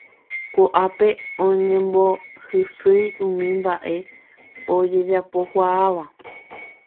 Koʼápe oñembohysýi umi mbaʼe ojejapokuaáva.